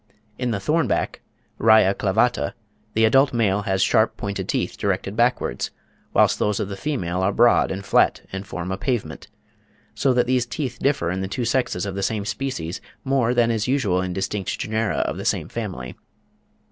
In the thornback (Raia clavata) the adult male has sharp, pointed teeth, directed backwards, whilst those of the female are broad and flat, and form a pavement; so that these teeth differ in the two sexes of the same species more than is usual in distinct genera of the same family.